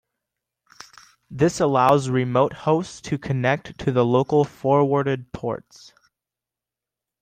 This allows remote hosts to connect to local forwarded ports.